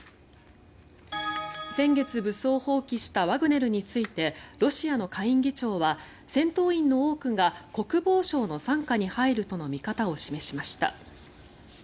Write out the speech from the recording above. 先月、武装蜂起したワグネルについてロシアの下院議長は戦闘員の多くが国防省の傘下に入るとの見方を示しました。